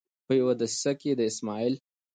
په یوه دسیسه کې د اسمعیل